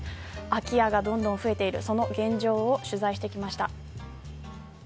空き家がどんどん増えているその現状を取材してきました。